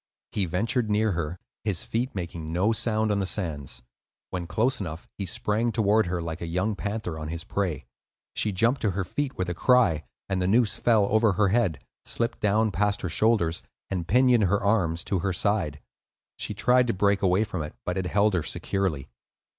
He ventured near her, his feet making no sound on the sands. When close enough he sprang toward her, like a young panther on his prey. She jumped to her feet with a cry, and the noose fell over her head, slipped down past her shoulders, and pinioned her arms to her side. She tried to break away from it, but it held her securely.